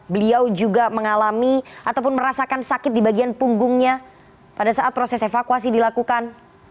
beliau juga mengalami ataupun merasakan sakit di bagian punggungnya pada saat proses evakuasi dilakukan